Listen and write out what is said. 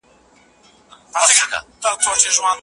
ایا ستاسو اسناد باوري دي؟